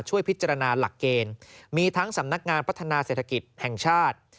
ช่วยพิจารณาหลักเกณฑ์มีทั้งสำนักงานพัฒนาเศรษฐกิจแห่งชาติ